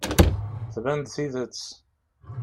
Tban-d tidet.